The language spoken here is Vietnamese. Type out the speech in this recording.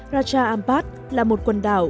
raja ampat là một quần đảo